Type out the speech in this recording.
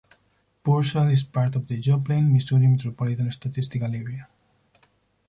Purcell is part of the Joplin, Missouri Metropolitan Statistical Area.